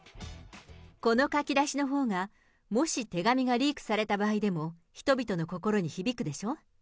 この書き出しのほうが、もし手紙がリークされた場合でも、人々の心に響くでしょ。